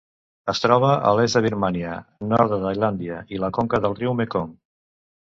Es troba a l'est de Birmània, nord de Tailàndia i la conca del riu Mekong.